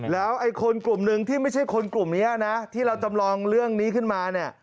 แล้วไอ้คนกลุ่มหนึ่งที่ไม่ใช่คนกลุ่มนี้นะที่เราจำลองเรื่องนี้ขึ้นมาเนี่ย